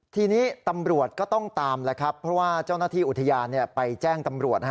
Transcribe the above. ทีนี้ตำรวจก็ต้องตามแล้วครับเพราะว่าเจ้าหน้าที่อุทยานไปแจ้งตำรวจ